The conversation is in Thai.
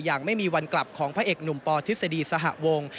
ยังไม่มีวันกลับของพระเอกหนุ่มปธิปริศนีสหาวงธ์